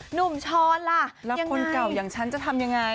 ช้อนล่ะแล้วคนเก่าอย่างฉันจะทำยังไง